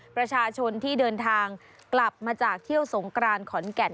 ประชาชนที่เดินทางกลับมาจากเที่ยวสงกรานขอนแก่น